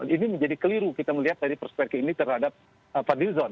ini menjadi keliru kita melihat dari perspektif ini terhadap fadlizon